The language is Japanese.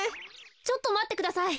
ちょっとまってください。